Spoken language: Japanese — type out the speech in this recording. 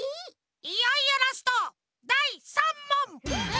いよいよラストだい３もん！